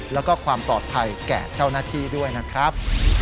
แล้วก็ความปลอดภัยแก่เจ้าหน้าที่ด้วยนะครับ